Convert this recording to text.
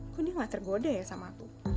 kok dia gak tergoda ya sama aku